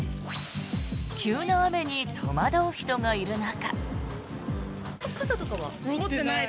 急な雨に戸惑う人がいる中。